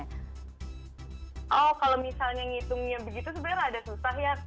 oh kalau misalnya ngitungnya begitu sebenarnya agak susah ya